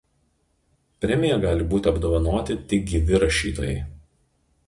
Premija gali būti apdovanoti tik gyvi rašytojai.